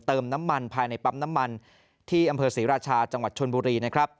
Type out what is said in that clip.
เติมน้ำมันภายในปั๊มน้ำมันที่อำเภอศรีราชาจังหวัดชนบุรีนะครับ